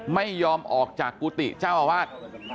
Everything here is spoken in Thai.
ไม่ยอมออกจากกุฏิเจ้าอาวาส